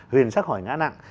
huyền sắc hỏi ngã nặng